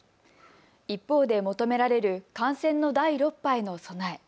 一方で求められる感染の第６波への備え。